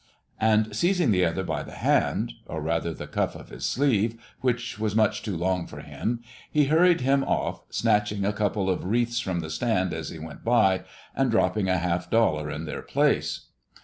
and seizing the other by the hand, or rather the cuff of his sleeve, which was much too long for him, he hurried him off, snatching a couple of wreaths from the stand as he went by, and dropping a half dollar in their place.